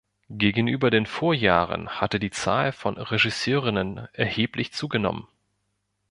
Gegenüber den Vorjahren hatte die Zahl von Regisseurinnen erheblich zugenommen.